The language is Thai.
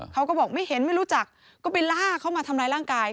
เขาก็บอกไม่เห็นไม่รู้จักก็ไปล่าเขามาทำร้ายร่างกาย